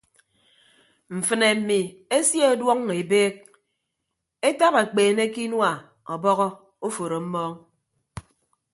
Mfịnne mmi esie ọduọñọ ebeek etap ekpeene ke inua ọbọhọ oforo mmọọñ.